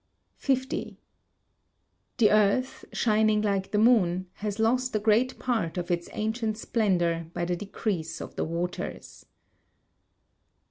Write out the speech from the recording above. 50. The earth, shining like the moon, has lost a great part of its ancient splendour by the decrease of the waters.